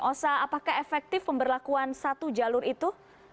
osa apakah efektif pemberlakuan satu jalur itu